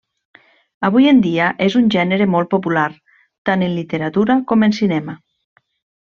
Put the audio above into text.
Avui en dia, és un gènere molt popular, tant en literatura com en cinema.